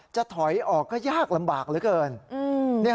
จะถอยออกก็ยากลำบากเหลือเกิน